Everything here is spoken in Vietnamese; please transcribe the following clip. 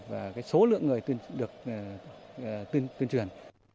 và cái số lượng người được tuyên truyền